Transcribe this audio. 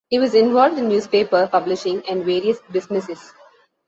He was involved in newspaper publishing and various businesses.